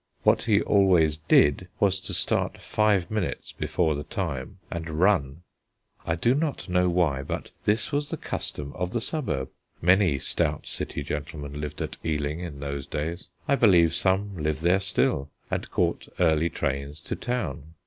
What he always did was to start five minutes before the time and run. I do not know why, but this was the custom of the suburb. Many stout City gentlemen lived at Ealing in those days I believe some live there still and caught early trains to Town.